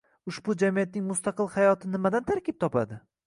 Ushbu “jamiyatning mustaqil hayoti” nimadan tarkib topadi?